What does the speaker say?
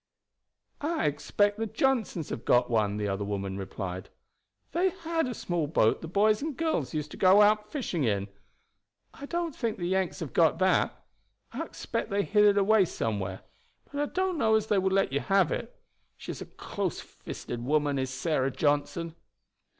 "I expect the Johnsons have got one," the other woman replied. "They had a small boat the boys and girls used to go out fishing in. I don't think the Yanks have got that. I expect they hid it away somewhere; but I don't know as they would let you have it. She is a close fisted woman is Sarah Johnson."